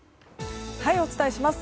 お伝えします。